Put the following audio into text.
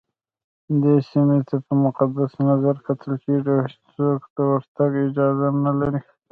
دې سيمي ته په مقدس نظرکتل کېږي اوهيڅوک دورتګ اجازه نه لري